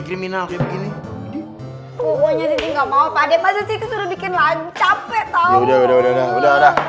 terminal begini ngomong ngomong ada pasti itu sudah bikin lancap ya udah udah udah udah udah